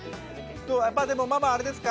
やっぱりでもママあれですか。